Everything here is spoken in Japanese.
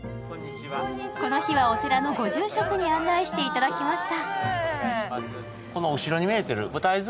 この日は、お寺のご住職に案内していただきました。